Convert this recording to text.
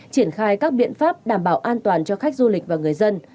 triển khai các biện pháp đảm bảo an toàn cho khách du lịch và người dân